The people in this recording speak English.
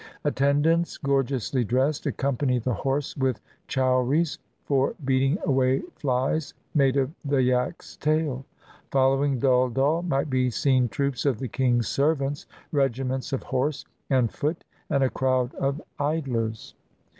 Attendants, gorgeously dressed, accompany the horse with chowries (for beating away flies) made of the yak's tail. Following Dhull dhull might be seen troops of the king's servants, regiments of horse and foot, and a crowd of idlers.